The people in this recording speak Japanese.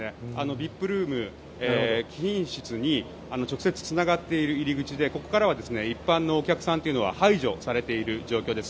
ＶＩＰルーム、貴賓室に直接つながっている入り口でここからは一般のお客さんというのは排除されている状況です。